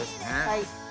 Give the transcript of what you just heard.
はい。